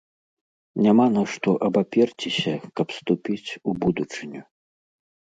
Няма на што абаперціся, каб ступіць у будучыню.